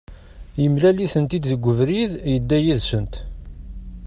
Yemlal-itent-id deg ubrid, yedda yid-sent